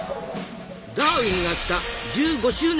「ダーウィンが来た！」１５周年スペシャル！